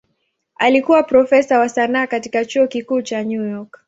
Alikuwa profesa wa sanaa katika Chuo Kikuu cha New York.